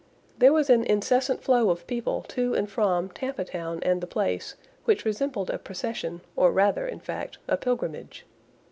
There was an incessant flow of people to and from Tampa Town and the place, which resembled a procession, or rather, in fact, a pilgrimage.